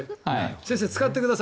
先生、使ってください